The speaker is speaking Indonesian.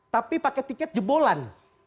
tapi pakai tiket jebolan